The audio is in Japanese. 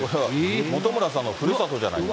本村さんのふるさとじゃないですか。